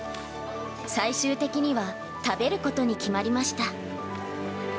最終的には、食べることに決まりました。